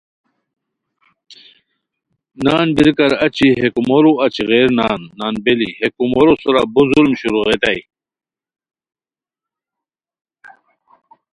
نان بریکار اچی ہے کومورو اچی غیر نان (نان بیلی) ہے کومورو سورا بو ظلم شروغیتائے